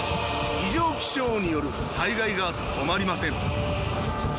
異常気象による災害が止まりません。